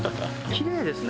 きれいですね。